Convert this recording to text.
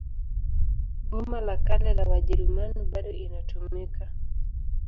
Boma la Kale la Wajerumani bado inatumika.